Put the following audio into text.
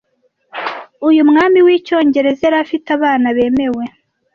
uyu mwami wicyongereza yari afite abana bemewe